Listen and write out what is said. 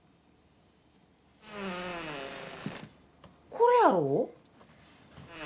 これやろ？